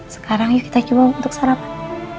sekarang yuk kita coba untuk sarapan